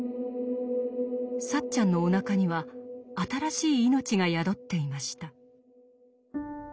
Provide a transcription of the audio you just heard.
サッチャンのおなかには新しいいのちが宿っていました。